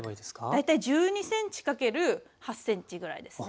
大体１２ｃｍ×８ｃｍぐらいですね。